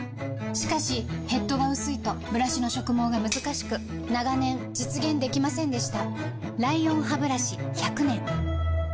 しかしヘッドが薄いとブラシの植毛がむずかしく長年実現できませんでした